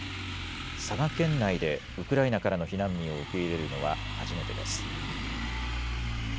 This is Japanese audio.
佐賀県内でウクライナからの避難民を受け入れるのは初めてです。